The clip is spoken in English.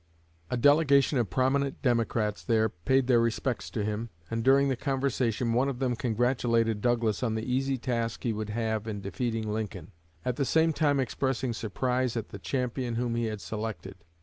A delegation of prominent Democrats there paid their respects to him, and during the conversation one of them congratulated Douglas on the easy task he would have in defeating Lincoln; at the same time expressing surprise at the champion whom he had selected.